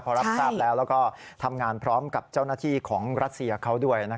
พอรับทราบแล้วแล้วก็ทำงานพร้อมกับเจ้าหน้าที่ของรัสเซียเขาด้วย